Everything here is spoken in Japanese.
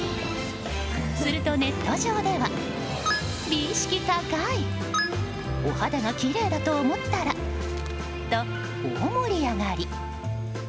するとネット上では美意識高いお肌がきれいだと思ったらと大盛り上がり。